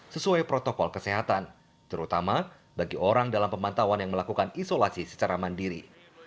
sesuai protokol kesehatan terutama bagi orang dalam pemantauan yang melakukan isolasi secara mandiri